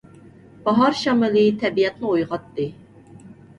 باھار شامىلى تەبىئەتنى ئويغاتتى.